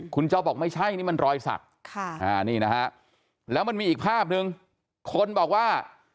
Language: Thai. คุณจอบอกไม่ใช่นี่มันรอยสักนี่นะฮะแล้วมันมีอีกภาพหนึ่งคนบอกว่า